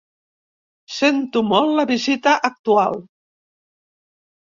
Sento molt la visita actual.